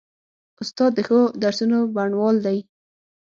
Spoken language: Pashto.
استاد د ښو درسونو بڼوال دی.